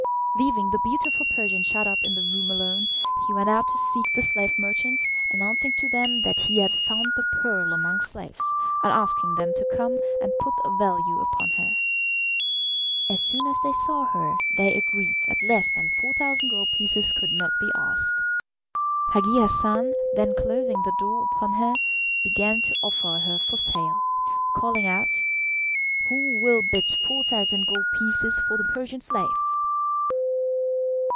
Leaving the beautiful Persian shut up in the room alone, he went out to seek the slave merchants, announcing to them that he had found the pearl among slaves, and asking them to come and put a value upon her. As soon as they saw her they agreed that less than 4,000 gold pieces could not be asked. Hagi Hassan, then closing the door upon her, began to offer her for sale calling out: "Who will bid 4,000 gold pieces for the Persian slave?"